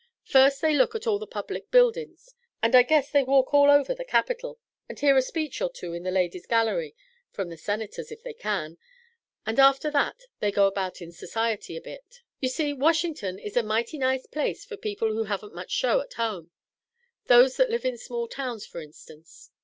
First they look at all the public buildin's, and I guess they about walk all over the Capitol, and hear a speech or two in the Ladies' Gallery from their Senators, if they can and after that they go about in Society a bit. You see, Washington is a mighty nice place fur people who haven't much show at home those that live in small towns, fur instance.